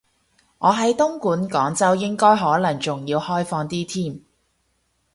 我喺東莞，廣州應該可能仲要開放啲添